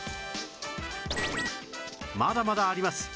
まだまだあります